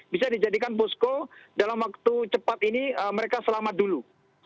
bisa dijadikan posko dalam waktu cepat ini mereka selamat dulu